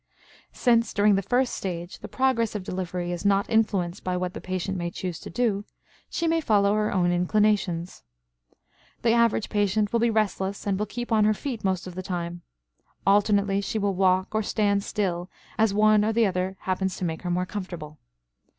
Since, during the first stage, the progress of delivery is not influenced by what the patient may choose to do, she may follow her own inclinations. The average patient will be restless and will keep on her feet most of the time; alternately she will walk or stand still as one or the other happens to make her more comfortable.